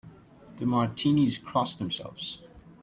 The Martinis cross themselves.